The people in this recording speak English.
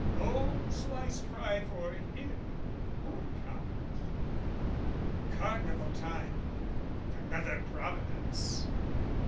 no sliced fry for him, poor Count! Carnival time, another providence!